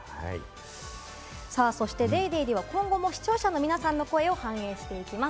さぁ、そして『ＤａｙＤａｙ．』では今後も視聴者の皆さんの声を反映していきます。